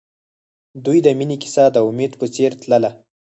د دوی د مینې کیسه د امید په څېر تلله.